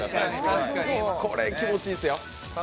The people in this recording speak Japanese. これ、気持ちいいっすよ。